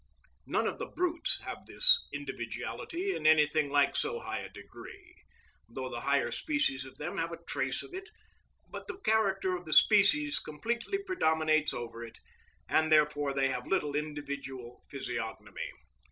None of the brutes have this individuality in anything like so high a degree, though the higher species of them have a trace of it; but the character of the species completely predominates over it, and therefore they have little individual physiognomy.